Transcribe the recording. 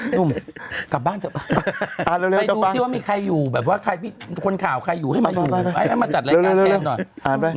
หนุ่มกลับบ้านเถอะไปดูสิว่ามีใครอยู่คนข่าวใครอยู่ให้มาจัดรายการแทนหน่อย